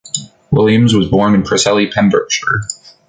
Williams was born in Preseli, Pembrokeshire.